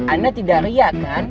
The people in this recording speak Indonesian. anda tidak riakan